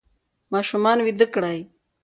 ماشومان ویده کړئ.